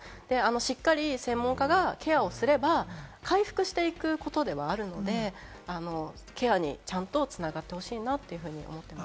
しっかり専門家がケアすれば回復していくことではあるので、ケアにちゃんと繋がってほしいなというふうに思っています。